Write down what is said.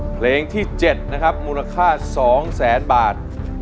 เพลงที่๗นะครับมูลค่า๒แสนบาท